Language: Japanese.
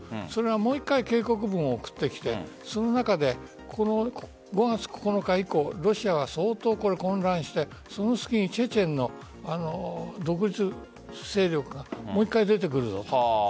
もう１回警告文を送ってきて、その中で５月９日以降ロシアは相当、混乱してその隙にチェチェンの独立勢力がもう１回出てくるぞと。